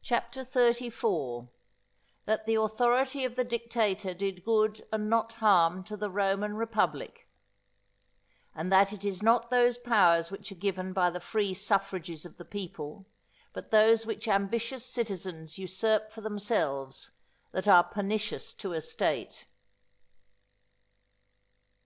CHAPTER XXXIV.—_That the authority of the Dictator did good and not harm to the Roman Republic: and that it is not those Powers which are given by the free suffrages of the People, but those which ambitious Citizens usurp for themselves, that are pernicious to a State.